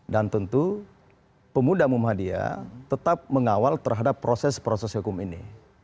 dan tentu pemuda muhammadiyah tetap mengawal terhadap proses proses hukum ini